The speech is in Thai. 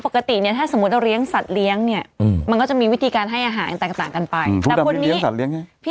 ปกติเนี่ยถ้าสมมุติเราเลี้ยงสัตว์เลี้ยงเนี่ยมันก็จะมีวิธีการให้อาหารอย่างต่างกันไป